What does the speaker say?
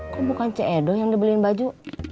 kok bukan cek edo yang dibeliin baju